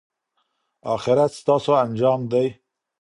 اخرت ستاسو انجام دی.